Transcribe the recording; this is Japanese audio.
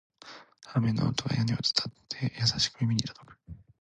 雨の音が屋根を伝って、優しく耳に届く